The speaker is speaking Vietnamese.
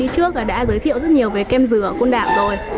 trước đã giới thiệu rất nhiều về kem dừa ở côn đảo rồi